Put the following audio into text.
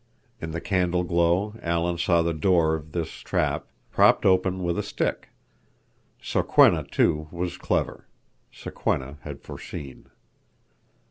In the candle glow Alan saw the door of this trap propped open with a stick. Sokwenna, too, was clever. Sokwenna had foreseen.